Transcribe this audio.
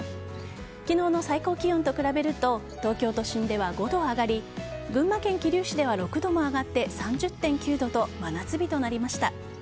昨日の最高気温と比べると東京都心では５度上がり群馬県桐生市では６度も上がって３０．９度と真夏日となりました。